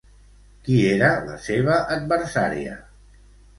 Qui era la seva adversària?